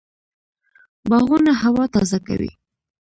باغونه هوا تازه کوي